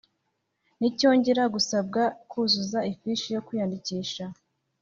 nticyongera gusabwa kuzuza ifishi yo kwiyandikisha.